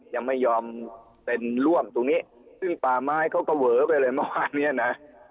ยังไม่ยอมเซ็นร่วมตรงนี้ซึ่งป่าไม้เขาก็เวอไปเลยเมื่อวานเนี้ยนะ